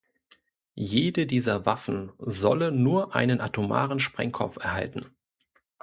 Jede dieser Waffen solle nur einen atomaren Sprengkopf erhalten.